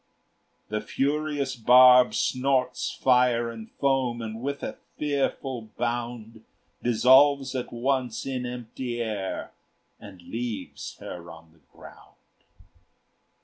The furious barb snorts fire and foam, And with a fearful bound, Dissolves at once in empty air, And leaves her on the ground.